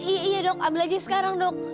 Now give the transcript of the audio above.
iya dok ambil aja sekarang dok